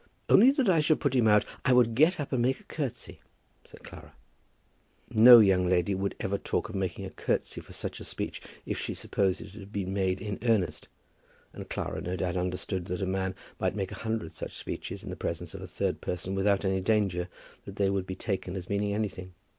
"Only that I should put him out, I would get up and make a curtsey," said Clara. No young lady could ever talk of making a curtsey for such a speech if she supposed it to have been made in earnestness. And Clara, no doubt, understood that a man might make a hundred such speeches in the presence of a third person without any danger that they would be taken as meaning anything.